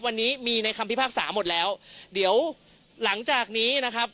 วันนี้มีในคำพิพากษาหมดแล้วเดี๋ยวหลังจากนี้นะครับ